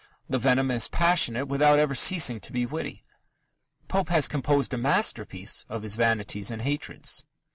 The venom is passionate without ever ceasing to be witty. Pope has composed a masterpiece of his vanities and hatreds.